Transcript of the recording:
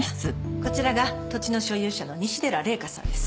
こちらが土地の所有者の西寺麗華さんです。